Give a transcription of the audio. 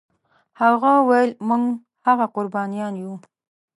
هغه ویل موږ هغه قربانیان یو.